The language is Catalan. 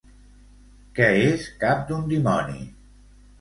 Què és Cap d'un dimoni?